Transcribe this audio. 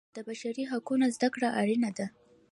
د بشري حقونو زده کړه اړینه ده.